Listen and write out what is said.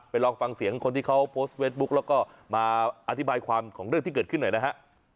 ลองฟังเสียงคนที่เขาโพสต์เฟซบุ๊กแล้วก็มาอธิบายความของเรื่องที่เกิดขึ้นหน่อยนะฮะ